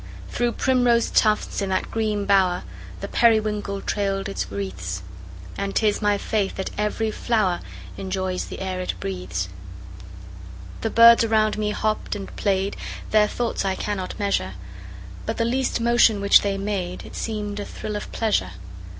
Through primrose tufts, in that green bower, The periwinkle trailed its wreaths; And 'tis my faith that every flower Enjoys the air it breathes. The birds around me hopped and played, Their thoughts I cannot measure: But the least motion which they made It seemed a thrill of pleasure.